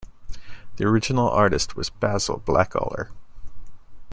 The original artist was Basil Blackaller.